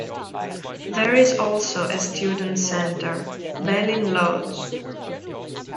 There is also a student center, Belin Lodge.